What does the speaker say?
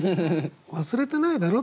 忘れてないだろ？